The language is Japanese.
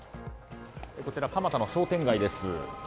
こちら、蒲田の商店街です。